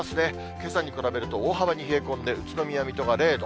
けさに比べると大幅に冷え込んで、宇都宮、水戸が０度。